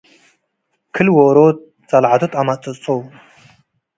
ክል-ዎሮት ጸልዐቱ ተአመጽጹ።